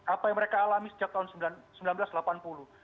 apa yang mereka alami sejak tahun seribu sembilan ratus delapan puluh